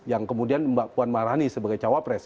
yang kemudian mbak puan maharani sebagai cawapres